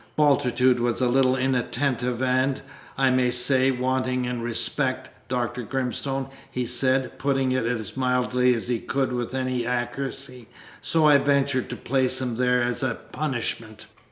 "Bultitude was a little inattentive and, I may say, wanting in respect, Dr. Grimstone," he said, putting it as mildly as he could with any accuracy; "so I ventured to place him there as a punishment."